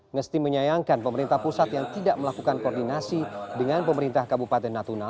ngesti menyayangkan pemerintah pusat yang tidak melakukan koordinasi dengan pemerintah kabupaten natuna